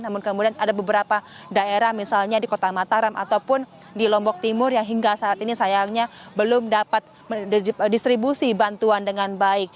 namun kemudian ada beberapa daerah misalnya di kota mataram ataupun di lombok timur yang hingga saat ini sayangnya belum dapat didistribusi bantuan dengan baik